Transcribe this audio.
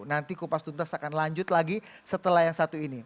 nanti kupas tuntas akan lanjut lagi setelah yang satu ini